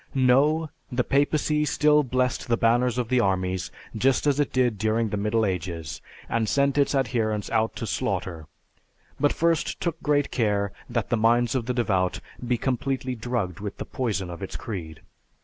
No, the papacy still blessed the banners of the armies, just as it did during the middle ages, and sent its adherents out to slaughter; but first took great care that the minds of the devout be completely drugged with the poison of its creed.